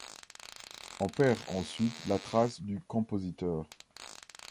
On perd ensuite la trace du compositeur.